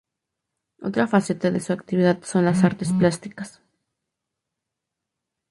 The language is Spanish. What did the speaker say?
Otra faceta de su actividad son las artes plásticas.